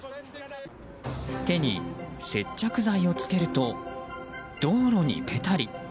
手に接着剤をつけると道路に、ぺたり。